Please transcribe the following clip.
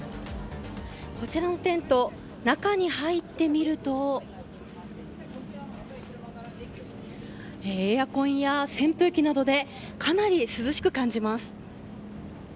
こちらのテント中に入ってみるとエアコンや扇風機などでかなり涼しく感じます。